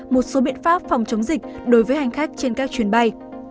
một số biện pháp phòng chống dịch đối với hành khách trên các chuyến bay